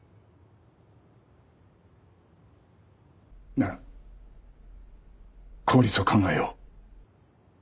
なら効率を考えよう。